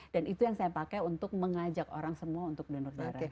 dan itu yang saya pakai untuk mengajak orang semua untuk donor darah